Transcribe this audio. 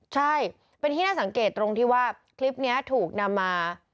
ใช่เป็นที่น่าสังเกตตรงที่ว่าคลิปนี้ถูกนำมา